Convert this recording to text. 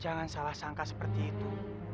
jangan salah sangka seperti itu